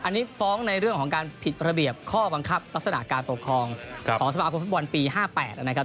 อันนี้ฟ้องในเรื่องของการผิดระเบียบข้อบังคับลักษณะการปกครองของสมาคมฟุตบอลปี๕๘นะครับ